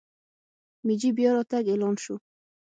مېجي بیا راتګ اعلان شو.